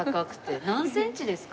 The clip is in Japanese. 何センチですか？